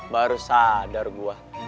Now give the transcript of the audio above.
baru sadar gue